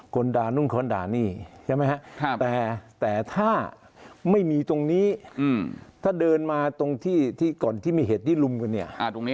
คนด่านู่นคนด่านี่ใช่ไหมครับแต่ถ้าไม่มีตรงนี้ถ้าเดินมาตรงที่ก่อนที่มีเหตุที่ลุมกันเนี่ย